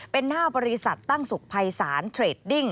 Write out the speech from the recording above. เป็นหน้าบริษัทตั้งสุขภัยศาลเทรดดิ้ง